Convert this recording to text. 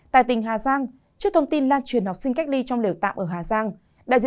tại tỉnh hà giang trước thông tin lan truyền học sinh cách ly trong lều tạm ở hà giang